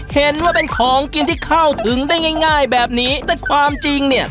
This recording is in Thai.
เห็นว่าเป็นของกินที่เข้าถึงได้ง่ายง่ายแบบนี้แต่ความจริงเนี่ย